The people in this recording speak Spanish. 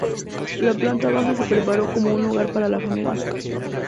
La planta baja se preparó como un hogar para la familia.